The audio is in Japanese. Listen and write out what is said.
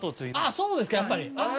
そうですかやっぱりああ